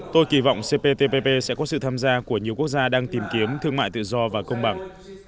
tôi kỳ vọng cptpp sẽ có sự tham gia của nhiều quốc gia đang tìm kiếm thương mại tự do và công bằng